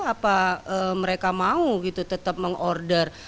apa mereka mau gitu tetap meng order